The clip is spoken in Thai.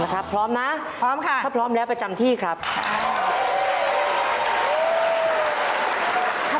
ครับพร้อมนะพร้อมค่ะถ้าพร้อมแล้วประจำที่ครับค่ะพร้อมค่ะ